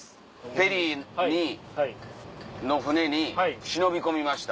ペリーにの船に忍び込みました。